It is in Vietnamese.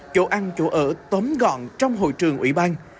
chỗ ăn chỗ ở tóm gọn trong hội trường ủy ban